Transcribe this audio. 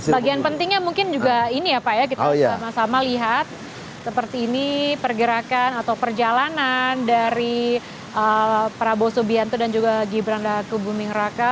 bagian pentingnya mungkin juga ini ya pak ya kita sama sama lihat seperti ini pergerakan atau perjalanan dari prabowo subianto dan juga gibran raka buming raka